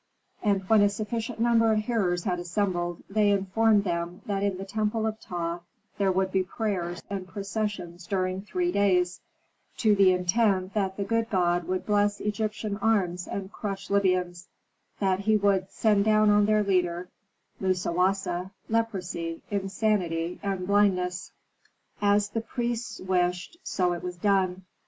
And when a sufficient number of hearers had assembled, they informed them that in the temple of Ptah there would be prayers and processions during three days, to the intent that the good god would bless Egyptian arms and crush Libyans; that he would send down on their leader, Musawasa, leprosy, insanity, and blindness. As the priests wished, so was it done.